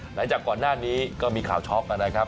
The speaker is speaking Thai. หลังจากก่อนหน้านี้ก็มีข่าวช็อกนะครับ